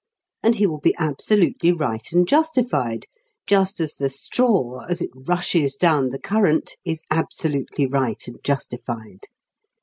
And he will be absolutely right and justified, just as the straw as it rushes down the current is absolutely right and justified.